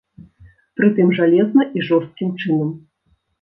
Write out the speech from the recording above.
Прытым жалезна і жорсткім чынам.